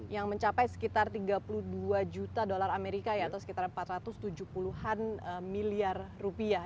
yang mencapai sekitar tiga puluh dua juta dolar amerika atau sekitar empat ratus tujuh puluh an miliar rupiah